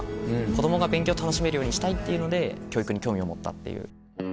子供が勉強楽しめるようにしたいっていうので教育に興味を持ったっていう。